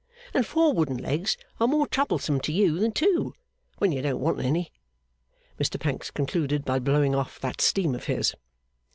And four wooden legs are more troublesome to you than two, when you don't want any.' Mr Pancks concluded by blowing off that steam of his.